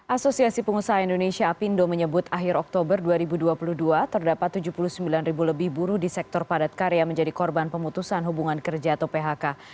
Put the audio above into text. asosiasi pengusaha indonesia apindo menyebut akhir oktober dua ribu dua puluh dua terdapat tujuh puluh sembilan ribu lebih buruh di sektor padat karya menjadi korban pemutusan hubungan kerja atau phk